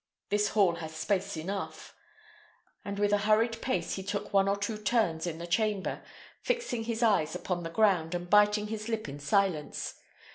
This hall has space enough," and with a hurried pace he took one or two turns in the chamber, fixing his eyes upon the ground, and biting his lip in silence.